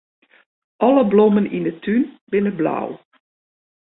Alle blommen yn 'e tún binne blau.